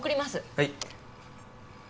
はい。